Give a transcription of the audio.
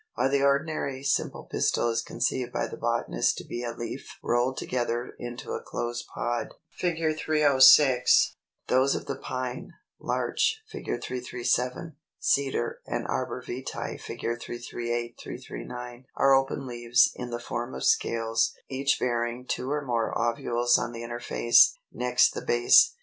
] 314. While the ordinary simple pistil is conceived by the botanist to be a leaf rolled together into a closed pod (306), those of the Pine, Larch (Fig. 337), Cedar, and Arbor Vitæ (Fig. 338, 339) are open leaves, in the form of scales, each bearing two or more ovules on the inner face, next the base.